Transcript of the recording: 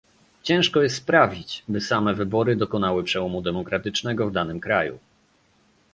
Ciężko jest sprawić, by same wybory dokonały przełomu demokratycznego w danym kraju